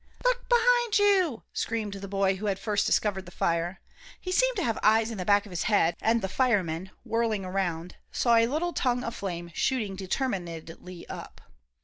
"Look behind you!" screamed the boy who had first discovered the fire. He seemed to have eyes in the back of his head, and the firemen, whirling around, saw a little tongue of flame shooting determinedly up.